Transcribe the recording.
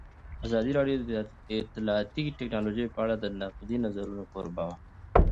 ازادي راډیو د اطلاعاتی تکنالوژي په اړه د نقدي نظرونو کوربه وه.